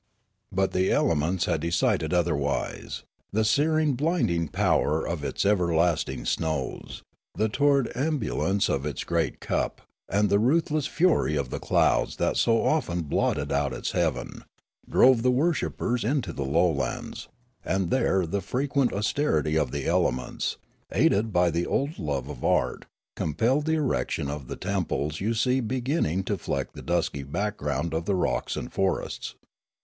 The Voyage to Tirralaria 129 "But the elements had decided otherwise; the searing, blinding power of its everlasting snows, the torrid ebul lience of its great cup, and the ruthless fury of the clouds that so often blotted out its heaven, drove the worshippers to the lowlands ; and there the frequent austerit)^ of the elements, aided by the old love of art, compelled the erection of the temples you see beginning to fleck the dusky background of the rocks and forests.